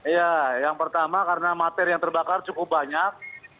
ya yang pertama karena materi yang terbakar cukup banyak